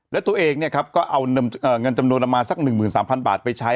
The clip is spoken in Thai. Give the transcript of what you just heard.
และตัวเองเนี่ยครับก็เอาเงินจำนวนอำมาตรสัก๑๓๐๐๐บาทไปใช้